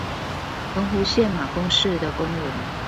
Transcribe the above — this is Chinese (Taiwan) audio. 澎湖縣馬公市的公園